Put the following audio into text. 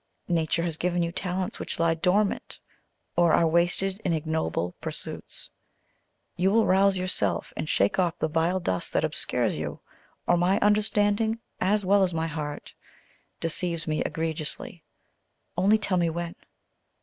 Nature has given you talents which lie dormant, or are wasted in ignoble pursuits. You will rouse yourself and shake off the vile dust that obscures you, or my understanding, as well as my heart, deceives me egregiously only tell me when.